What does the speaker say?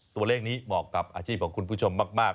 ตัวเลขนี้เหมาะกับอาชีพของคุณผู้ชมมาก